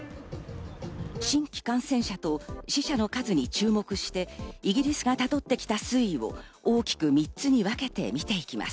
新規感染者と死者の数に注目して、イギリスがたどってきた推移を大きく３つに分けて見ていきます。